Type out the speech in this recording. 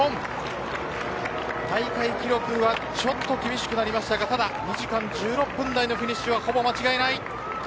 大会記録は厳しくなりましたが２時間１６分台のフィニッシュはほぼ間違いない。